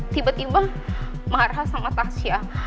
tiba tiba marah sama tasyah